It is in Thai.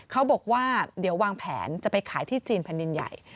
เขาบอกว่าเดี๋ยววางแผนจะไปขายที่จีนแผ่นดินใหญ่